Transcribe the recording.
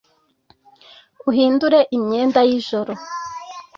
uhindure imyenda y’ijoro